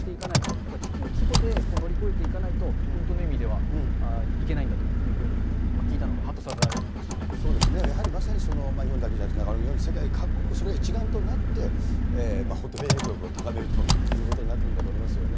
やっぱり地球規模で乗り越えていかないと、本当の意味ではいけないんだというふうに聞いたのがはっとさせらそうですね、やはりまさに日本だけじゃなくて、中丸君のように、世界各国、それが一丸となって、本当に免疫力を高めるということになってくると思うんですよね。